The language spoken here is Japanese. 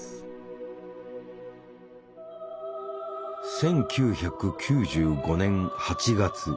１９９５年８月。